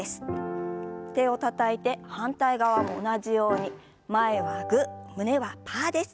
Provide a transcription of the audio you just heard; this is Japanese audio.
手をたたいて反対側も同じように前はグー胸はパーです。